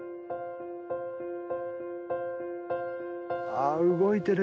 あ動いてる！